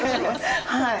はい。